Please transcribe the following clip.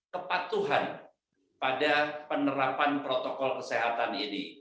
kepatuhan pada penerapan protokol kesehatan ini